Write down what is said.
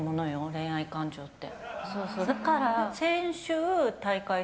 恋愛感情って。